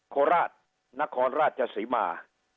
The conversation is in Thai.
โคราชนครราชศรีมา